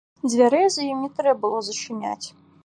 Дзвярэй за ім не трэ было зачыняць.